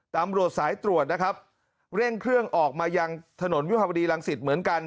ตำรวจสายตรวจนะครับเร่งเครื่องออกมายังถนนวิภาวดีรังสิตเหมือนกัน